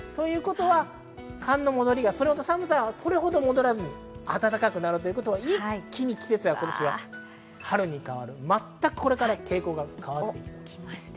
ということは寒の戻りがそれほど寒さは戻らずに暖かくなるということは一気に季節が春に変わる、全くこれから傾向が変わります。